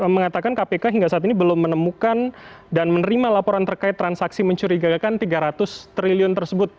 mengatakan kpk hingga saat ini belum menemukan dan menerima laporan terkait transaksi mencurigakan tiga ratus triliun tersebut